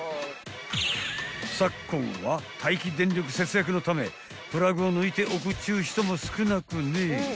［昨今は待機電力節約のためプラグを抜いておくっちゅう人も少なくねえが］